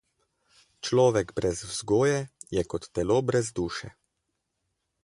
Človek brez vzgoje je kot telo brez duše.